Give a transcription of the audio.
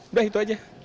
udah itu aja